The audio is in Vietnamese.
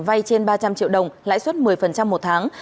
vay trên ba trăm linh triệu đồng lãi suất một mươi một tháng